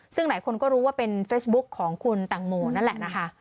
ซึ่งหลายคนก็รู้ว่าเป็นเฟซบุ๊คของคุณแตงโมนั่นแหละนะคะ